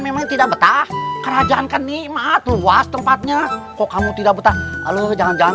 memang tidak betah kerajaan kenikmat luas tempatnya kok kamu tidak betah lalu jangan jangan